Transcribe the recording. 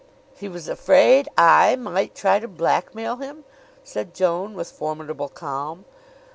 "He was afraid I might try to blackmail him?" said Joan, with formidable calm.